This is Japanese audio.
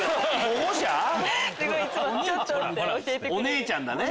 お姉ちゃんだね。